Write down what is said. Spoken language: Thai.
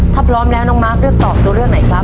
ถ้าพร้อมแล้วน้องมาร์คเลือกตอบตัวเลือกไหนครับ